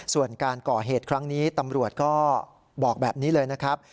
ส่วนการก่อเหตุครั้งนี้ตำรวจก็บอกแบบนี้เลยนะครับ